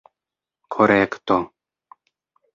korekto